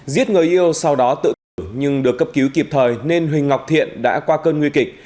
giết người yêu sau đó tự tử nhưng được cấp cứu kịp thời nên huỳnh ngọc thiện đã qua cơn nguy kịch